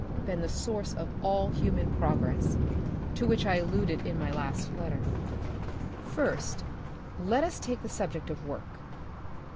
been the source of all human progress, to which I alluded in my last letter. First, let us take the subject of work.